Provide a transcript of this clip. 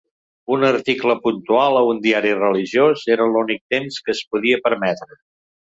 Un article puntual a un diari religiós era l'únic temps que es podia permetre.